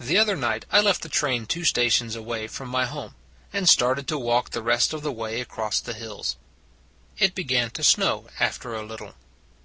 The other night I left the train two sta tions away from home, and started to walk the rest of the way across the hills. It began to snow after a little.